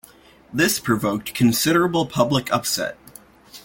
This provoked considerable public upset.